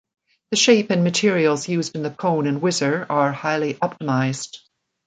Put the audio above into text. The shape and materials used in the cone and whizzer are highly optimized.